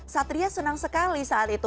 satria senang sekali saat itu